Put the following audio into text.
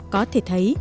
có thể thấy